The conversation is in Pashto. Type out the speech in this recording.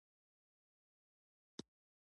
نن شپې ته غوړه باندې ده .